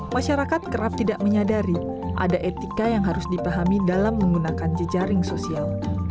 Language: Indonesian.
masyarakat kerap tidak menyadari ada etika yang harus dipahami dalam menggunakan jejaring sosial